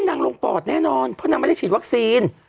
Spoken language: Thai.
ลงปอดแน่นอนเพราะนางไม่ได้ฉีดวัคซีน